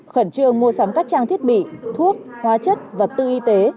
khẩn trương mua sắm các trang thiết bị thuốc hóa chất vật tư y tế